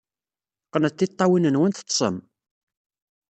Qqnet tiṭṭawin-nwen, teḍḍsem!